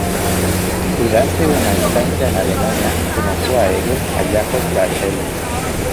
Durante una estancia en Alemania, conoció a Hegel, a Jacobi y a Schelling.